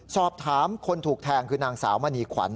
สอบถามคนถูกแทงคือนางสาวมณีขวัญ